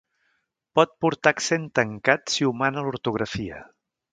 Pot portar accent tancat si ho mana l'ortografia.